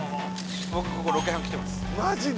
僕ここロケハン来てますマジで！？